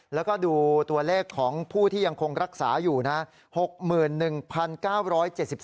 แล้วก็ดูตัวเลขของผู้ที่ยังคงรักษาอยู่นะ